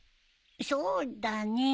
そうだね。